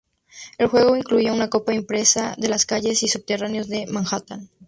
El juego incluía una copia impresa de las calles y subterráneos de Manhattan.